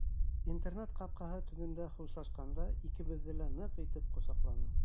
Интернат ҡапҡаһы төбөндә хушлашҡанда икебеҙҙе лә ныҡ итеп ҡосаҡланы.